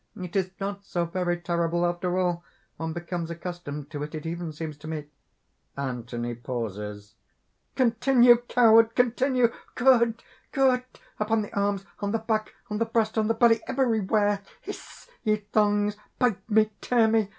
it is not so very terrible after all! one becomes accustomed to it. It even seems to me...." (Anthony pauses.) "Continue, coward! continue! Good! good! upon the arms, on the back, on the breast, on the belly everywhere! Hiss, ye thongs! bite me! tear me!